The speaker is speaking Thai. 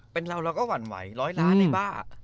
เป็นเราเราก็หวั่นไหวร้อยล้านไอ้บ้า